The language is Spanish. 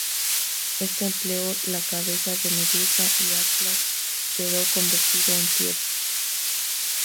Éste empleó la cabeza de Medusa, y Atlas quedó convertido en piedra.